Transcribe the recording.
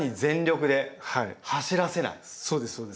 そうですそうです。